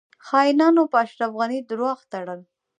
خاینانو په اشرف غنی درواغ تړل